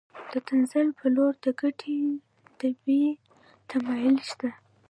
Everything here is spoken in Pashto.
د تنزل په لور د ګټې د بیې تمایل شته